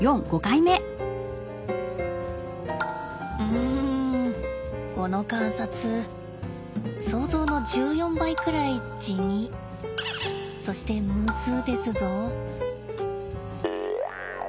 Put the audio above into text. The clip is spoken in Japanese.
うんこの観察想像の１４倍くらい地味そしてむずですぞ？